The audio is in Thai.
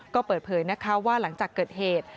ก็เปิดเผยนะคะว่าหลังจากเกิดเหตุ